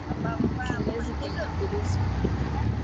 kinyesi chenye virusi